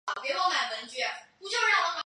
可采用氧气治疗。